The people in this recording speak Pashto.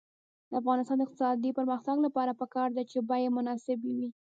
د افغانستان د اقتصادي پرمختګ لپاره پکار ده چې بیې مناسبې وي.